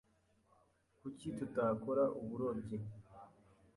Kuki tutakora uburobyi?